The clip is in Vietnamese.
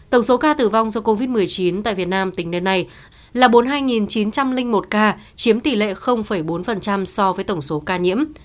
tổng số ca tử vong do covid một mươi chín tại việt nam tính đến nay là bốn mươi hai chín trăm linh một ca chiếm tỷ lệ bốn so với tổng số ca nhiễm